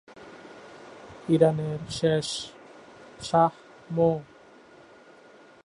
ইরানের শেষ শাহ মো।